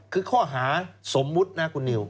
คือข้อหาสมมุตินะคุณนิว